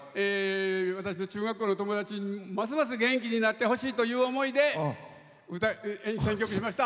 私の中学校の友達にますます元気になってほしいという思いで選曲しました。